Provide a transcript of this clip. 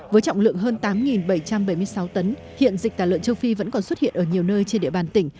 với trọng lượng hơn tám bảy trăm bảy mươi sáu tấn hiện dịch tả lợn châu phi vẫn còn xuất hiện ở nhiều nơi trên địa bàn tỉnh